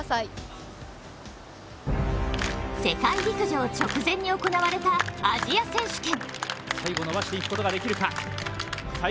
世界陸上直前に行われたアジア選手権。